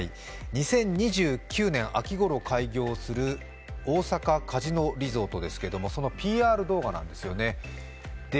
２０２９年秋ごろ開業する大阪カジノリゾートですけれども、そのＰＲ動画なんですよね。